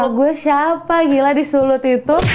kalau gue siapa gila di sulut itu